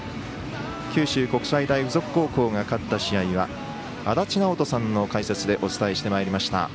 九州国際大付属高校が勝った試合は足達尚人さんの解説でお伝えしてまいりました。